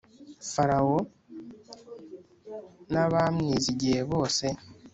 Farawo n abamwizigiye bose